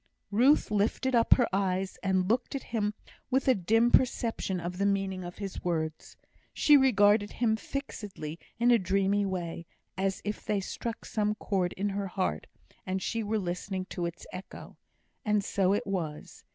Ruth lifted up her eyes, and looked at him with a dim perception of the meaning of his words. She regarded him fixedly in a dreamy way, as if they struck some chord in her heart, and she were listening to its echo; and so it was.